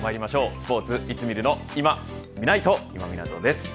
スポーツ、いつ見るのいまみないと、今湊です。